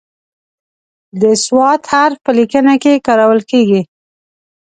د "ص" حرف په لیکنه کې کارول کیږي.